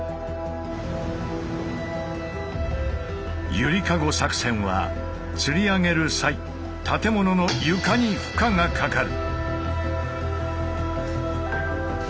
「ゆりかご作戦」は吊り上げる際建物の床に負荷がかかる。